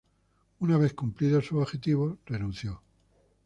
Una vez cumplidos sus objetivos, renunció.